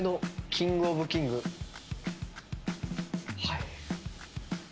はい。